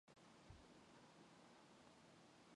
Энэ бол хэдэн хэнхэг өвгөний цуглаан.